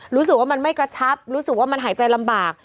รู้สึกว่ามันไม่กระชับรู้สึกว่ามันหายใจลำบาก